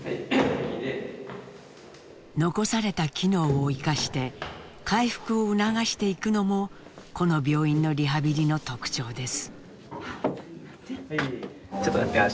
残された機能を生かして回復を促していくのもこの病院のリハビリの特徴です。